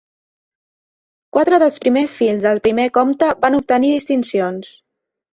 Quatre dels primers fills del primer comte van obtenir distincions.